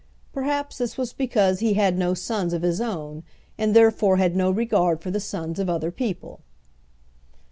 Perhaps this was because he had no sons of his own and therefore had no regard for the sons of other people.